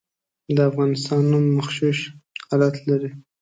د افغانستان نوم مغشوش حالت لري.